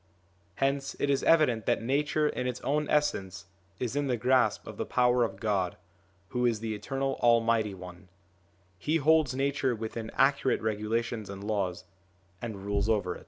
Hence it is evident that Nature in its own essence is in the grasp of the power of God, who is the Eternal Almighty One : He holds Nature within accurate regula tions and laws, and rules over it.